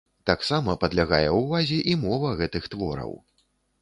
Таксама падлягае ўвазе і мова гэтых твораў.